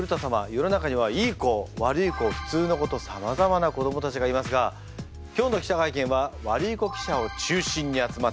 世の中にはいい子悪い子普通の子とさまざまな子どもたちがいますが今日の記者会見はワルイコ記者を中心に集まってもらっています。